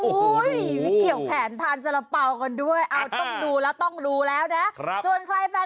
ไม่เกี่ยวแขนทานสารเป๋ากันด้วยเอาต้องดูแล้วต้องดูแล้วนะ